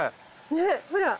ねっほら！